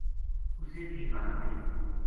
اُسیں بھی بہانو کیو